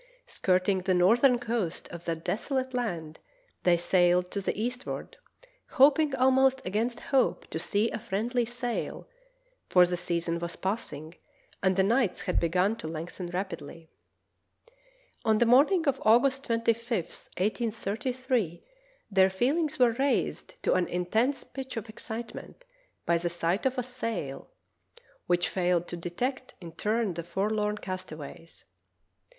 Skirting the northern coast of that desolate land, they sailed to the eastward, hoping almost against hope to see a friendly sail, for the season was passing and the nights had begun to lengthen rapidly. The Retreat of Ross from the Victory 53 On the morning of August 25, 1833, their feeh'ngs were raised to an intense pitch of excitement by the sight of a sail, which failed to detect in turn the forlorn castaways.